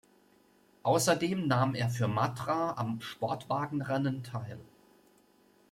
Außerdem nahm er für Matra an Sportwagenrennen teil.